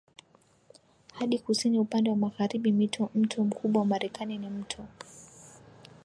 hadi kusini upande wa magharibiMito Mto mkubwa wa Marekani ni Mto